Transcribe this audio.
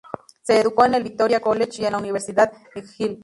Se educó en el Victoria College y en la Universidad McGill.